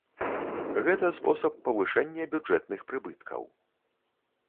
Гэта спосаб павышэння бюджэтных прыбыткаў.